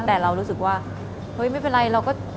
แต่เรารู้สึกว่าเฮ้ยไม่เป็นไรเราก็